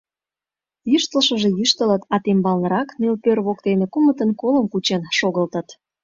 Йӱштылшыжӧ йӱштылыт, а тембалнырак, нӧлпер воктене, кумытын колым кучен шогылтыт.